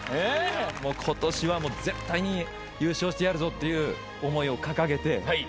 今年は絶対に優勝してやるぞっていう思いを掲げてやってきました。